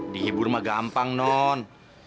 dihibur mah gampang non